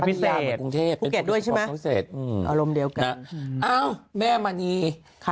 พิเศษภูเกตด้วยใช่ไหมอืมอารมณ์เดียวกันอ้าวแม่มันีค่ะ